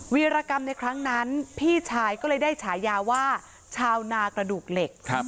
วิรกรรมในครั้งนั้นพี่ชายก็เลยได้ฉายาว่าชาวนากระดูกเหล็ก